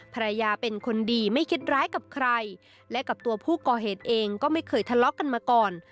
ภรรยาเป็นคนดีไม่คิดร้ายกับใครและกับตัวผู้ก่อเหตุเองก็ไม่เคยทะเลาะกันมาก่อน